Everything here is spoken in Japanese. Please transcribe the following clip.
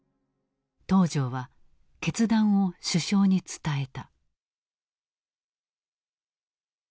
東條は決断を首相に伝えた。